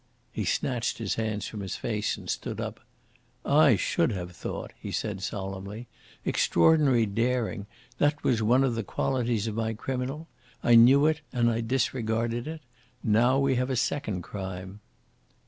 He snatched his hands from his face and stood up. "I should have thought," he said solemnly. "Extraordinary daring that was one of the qualities of my criminal. I knew it, and I disregarded it. Now we have a second crime."